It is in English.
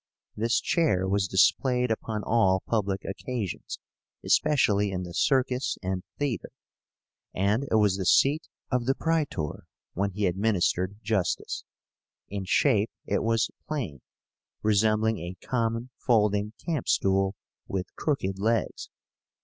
This chair was displayed upon all public occasions, especially in the circus and theatre; and it was the seat of the Praetor when he administered justice. In shape it was plain, resembling a common folding camp stool, with crooked legs.